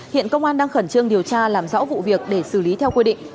hiện công an đang khẩn trương điều tra làm rõ vụ việc để xử lý theo quy định